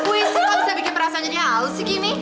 wih kok bisa bikin perasaan jadi halus sih gini